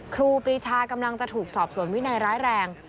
ครูปรีชากำลังจะถูกสอบส่วนวินัยร้ายแรง